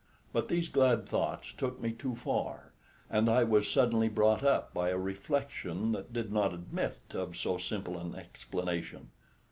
But these glad thoughts took me too far, and I was suddenly brought up by a reflection that did not admit of so simple an explanation.